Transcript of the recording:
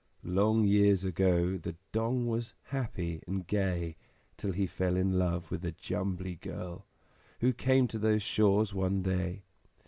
Long years ago The Dong was happy and gay, Till he fell in love with a Jumbly Girl Who came to those shores one day.